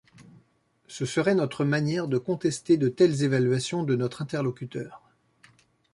Ce serait notre manière de contester de telles évaluations de notre interlocuteur.